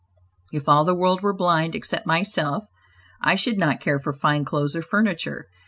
If all the world were blind except myself I should not care for fine clothes or furniture."